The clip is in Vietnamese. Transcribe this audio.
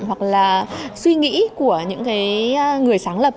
hoặc là suy nghĩ của những người sáng lập